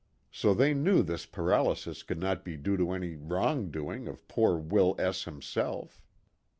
So they knew this paralysis could not be due to any wrong doing of poor Will S himself.